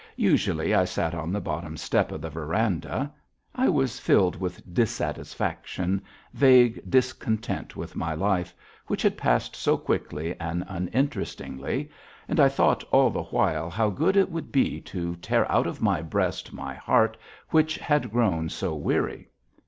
Usually I sat on the bottom step of the veranda. I was filled with dissatisfaction, vague discontent with my life, which had passed so quickly and uninterestingly, and I thought all the while how good it would be to tear out of my breast my heart which had grown so weary.